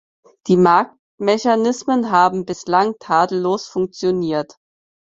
Die Marktmechanismen haben bislang tadellos funktioniert.